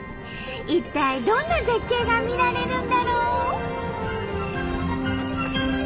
一体どんな絶景が見られるんだろう？